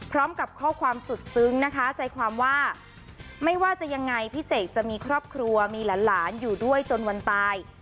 พร้อมกับข้อความสุดซึ้งนะคะใจความว่าไม่ว่าจะยังไงพี่เสกจะมีครอบครัวมีหลานอยู่ด้วยจนวันตาย